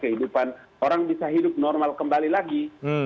kehidupan orang bisa hidup normal kembali lagi